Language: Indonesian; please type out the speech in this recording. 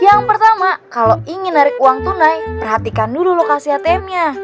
yang kedua kalo ingin narik uang tunai perhatikan dulu lokasi atmnya